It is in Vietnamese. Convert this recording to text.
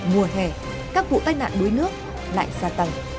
mùa hè các vụ tai nạn đuối nước lại xa tầng